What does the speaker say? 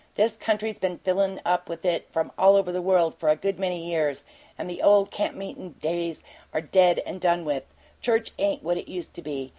This country's been fillin' up with it from all over the world for a good many years, and the old camp meetin' days are dead and done with. Church ain't what it used to be.